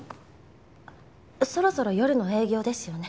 そろそろ夜の営業ですよね。